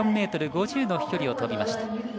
９４ｍ５０の飛距離を飛びました。